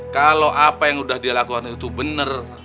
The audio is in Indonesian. kalo apa yang udah dia lakukan itu bener